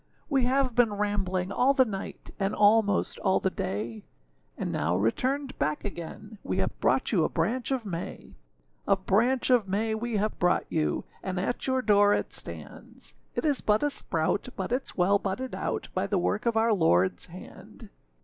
We have been rambling all the night, And almost all the day; And now returned back again, We have brought you a branch of May. A branch of May we have brought you, And at your door it stands; It is but a sprout, But itâs well budded out By the work of our Lordâs hand.